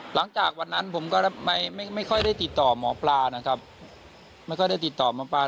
หลังจากวันนั้นผมก็ไม่ไม่ค่อยได้ติดต่อหมอปลานะครับไม่ค่อยได้ติดต่อหมอปลา